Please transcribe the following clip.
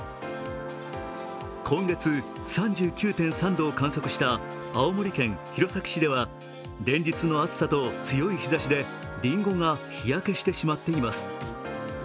今月３９．３度を観測した青森県弘前市では、連日の暑さと強い日ざしでりんごが日焼けしてしまっています。